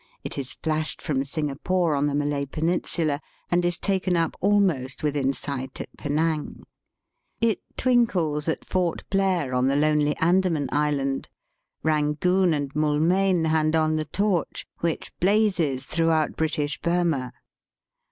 It is flashed from Singa pore, on the Malay peninsula, and is taken up ^almost within sight at Penang. It twinkles ^t Fort Blair on the lonely Andaman Island. Digitized by VjOOQIC 122 EAST BY WEST. Eangoon and Monlmein hand on the torchy which blazes throughout British Burmah.